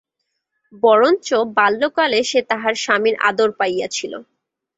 বরঞ্চ বাল্যকালে সে তাহার স্বামীর আদর পাইয়াছিল।